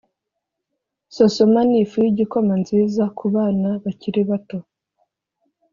Sosoma nifu yigikoma nziza kubana bakiri bato